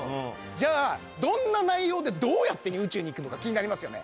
じゃあどんな内容で。に行くのか気になりますよね？